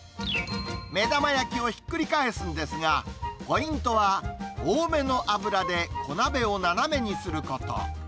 目玉焼きをひっくり返すんですが、ポイントは、多めの油で小鍋を斜めにすること。